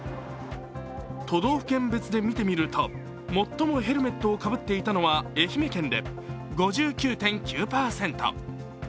都道府県別で見てみると最もヘルメットをかぶっていたのは、愛媛県で５９．９％。